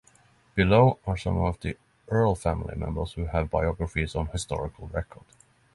Below are some of the Earle family members who have biographies on historical record.